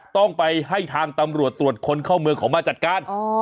ต้องไปให้ทางตำรวจตรวจคนเข้าเมืองเขามาจัดการ